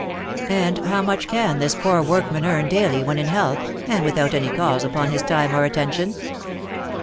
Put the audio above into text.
"And how much can this poor workman earn daily when in health, and without any calls upon his time or attention?"